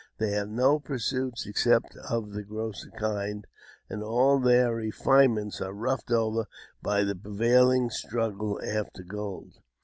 They have no pursuits except of the grosser kinds, and all their refinements are roughed over by the prevailing struggle after gold.